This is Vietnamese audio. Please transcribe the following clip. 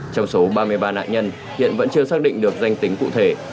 trong số ba mươi ba nạn nhân hiện vẫn chưa xác định được danh tính cụ thể